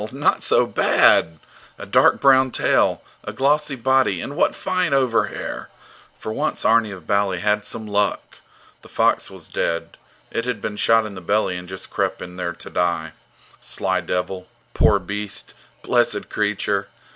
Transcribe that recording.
Not so bad! A dark brown tail, a glossy body, and what fine over hair! For once Arni of Bali had some luck! The fox was dead; it had been shot in the belly and just crept in there to die. Sly devil! Poor beast! Blessed creature!